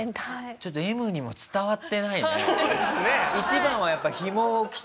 ちょっとＭにも伝わってないね。